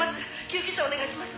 救急車お願いします」